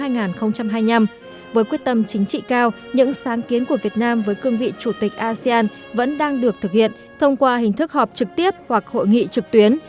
với quyết tâm chính trị cao những sáng kiến của việt nam với cương vị chủ tịch asean vẫn đang được thực hiện thông qua hình thức họp trực tiếp hoặc hội nghị trực tuyến